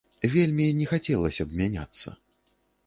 Вельмі не хацелася б мяняцца.